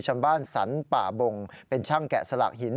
ชาวบ้านสรรป่าบงเป็นช่างแกะสลักหิน